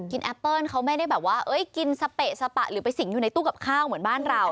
แอปเปิ้ลเขาไม่ได้แบบว่ากินสเปะสปะหรือไปสิงอยู่ในตู้กับข้าวเหมือนบ้านเรา